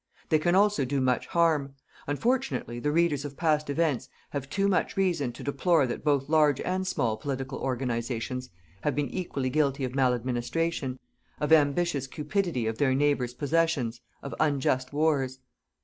They can also do much harm. Unfortunately, the readers of past events have too much reason to deplore that both large and small political organizations have been equally guilty of maladministration, of ambitious cupidity of their neighbours' possessions, of unjust wars.